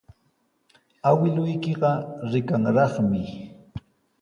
Awkilluykiqa rikanraqmi.